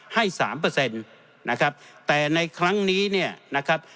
ให้สามเปอร์เซ็นต์นะครับแต่ในครั้งนี้เนี่ยนะครับ